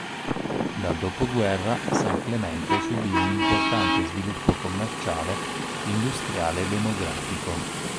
Dal dopoguerra, San Clemente subì un importante sviluppo commerciale, industriale e demografico.